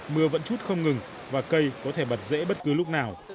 mưa vẫn chút không ngừng và cây có thể bật dễ bất cứ lúc nào